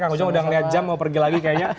kang ujang udah ngeliat jam mau pergi lagi kayaknya